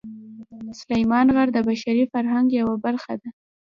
سلیمان غر د بشري فرهنګ یوه برخه ده.